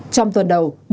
trong tuần đầu